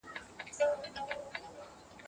تاسو په خپلو چارو کي صادق اوسئ.